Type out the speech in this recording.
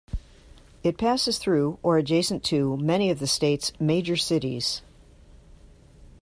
It passes through or adjacent to many of the state's major cities.